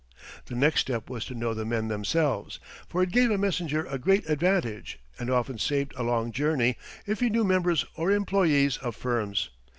The next step was to know the men themselves, for it gave a messenger a great advantage, and often saved a long journey, if he knew members or employees of firms.